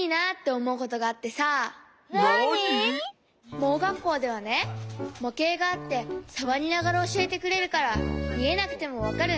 盲学校ではねもけいがあってさわりながらおしえてくれるからみえなくてもわかるんだ。